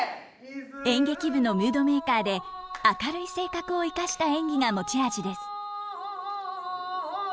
演劇部のムードメーカーで明るい性格を生かした演技が持ち味です。